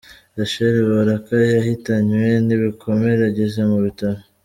Rachel Baraka yahitanywe n’ibikomere ageze mu bitaro.